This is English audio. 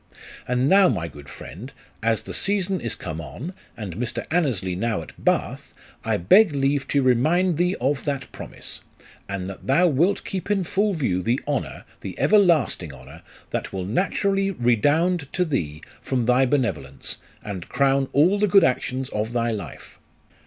" And now, my good friend, as the season is come on, and Mr. Annesley now at Bath, I beg leave to remind thee of that promise ; and that thou wilt keep in full view the honour, the everlasting honour, that will naturally redound to thee from thy benevolence, and crown all the good actions of thy life.